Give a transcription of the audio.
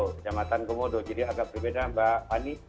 di jambatan komodo jadi agak berbeda mbak fani